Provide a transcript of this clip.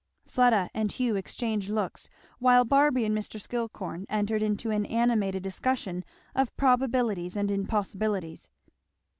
Fleda and Hugh exchanged looks, while Barby and Mr. Skillcorn entered into an animated discussion of probabilities and impossibilities.